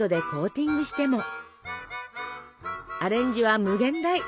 アレンジは無限大！